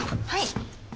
はい。